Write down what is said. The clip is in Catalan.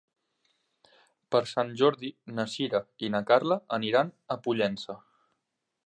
Per Sant Jordi na Sira i na Carla aniran a Pollença.